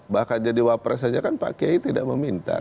bahkan jadi wapres saja kan pak kiai tidak meminta